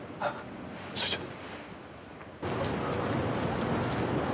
それじゃあ。